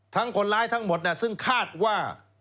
คนร้ายทั้งหมดซึ่งคาดว่า